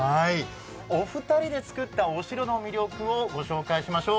お二人で造ったお城の魅力をご紹介しましょう。